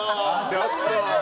ちょっと。